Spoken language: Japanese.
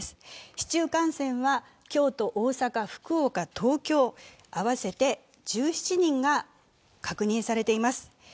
市中感染は京都、大阪、福岡、東京、合わせて１７人が確認されています。